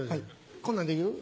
こんなんできる？